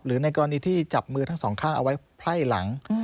ในกรณีที่จับมือทั้งสองข้างเอาไว้ไพร่หลัง